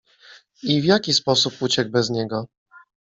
"I w jaki sposób uciekł bez niego?"